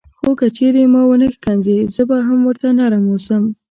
خو که چیرې ما ونه ښکنځي زه به هم ورته نرم اوسم.